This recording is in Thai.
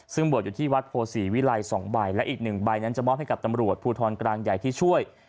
ซึ่งบวชอยู่ที่วัดโพศีวิลัย๒ใบและอีกหนึ่งใบนั้นจะมอบให้กับตำรวจภูทรกลางใหญ่ที่ช่วย